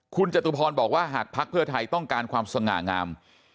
คุณจตุพรบอกว่าหากภักดิ์เพื่อไทยต้องการความสง่างาม